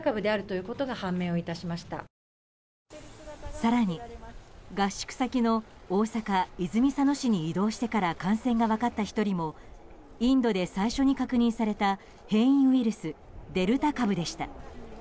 更に、合宿先の大阪・泉佐野市に移動してから感染が分かった１人もインドで最初に確認された変異ウイルス、デルタ株でした。